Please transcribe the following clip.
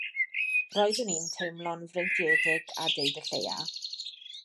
Roeddwn i'n teimlo'n freintiedig a deud y lleia.